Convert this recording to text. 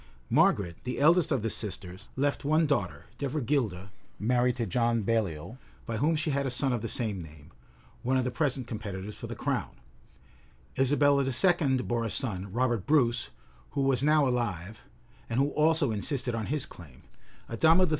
Margaret, the eldest of the sisters, left one daughter, Devergilda, married to John Baliol, by whom she had a son of the same name, one of the present competitors for the crown: Isabella II. bore a son, Robert Bruce, who was now alive, and who also insisted on his claim: Adama III.